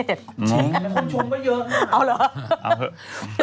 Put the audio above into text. ใช่น่ะคนชมก็เยอะนะ